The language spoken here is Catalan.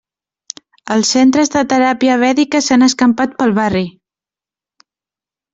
Els centres de teràpia vèdica s'han escampat pel barri.